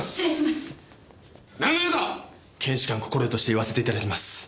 検視官心得として言わせていただきます。